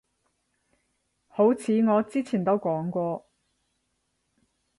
好似我之前都講過